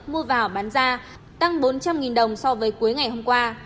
mua vào bán ra tăng bốn trăm linh đồng so với cuối ngày hôm qua